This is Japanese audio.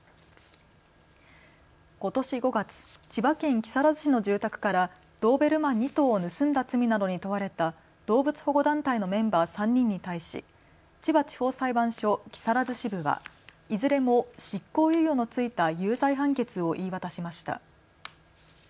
ことし５月、千葉県木更津市の住宅からドーベルマン２頭を盗んだ罪などに問われた動物保護団体のメンバー３人に対し千葉地方裁判所木更津支部はいずれも執行猶予の付いた有罪判決を言い渡しました。